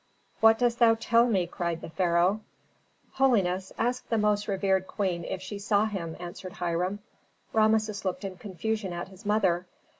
"What dost thou tell me?" cried the pharaoh. "Holiness, ask the most revered queen if she saw him," answered Hiram. Rameses looked in confusion at his mother.